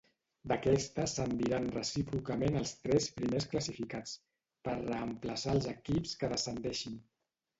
D'aquesta ascendiran recíprocament els tres primers classificats, per reemplaçar els equips que descendeixin.